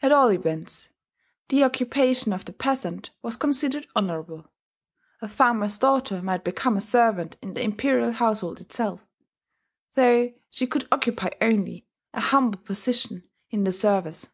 At all events, the occupation of the peasant was considered honourable: a farmer's daughter might become a servant in the imperial household itself though she could occupy only an humble position in the service.